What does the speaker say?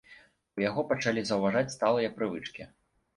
У яго пачалі заўважаць сталыя прывычкі.